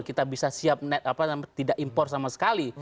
kita bisa siap net apa namanya tidak impor sama sekali